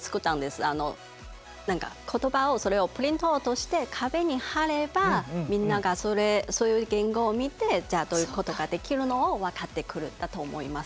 何か言葉をそれをプリントアウトして壁に貼ればみんながそういう言語を見てじゃあどういうことができるのを分かってくるんだと思います。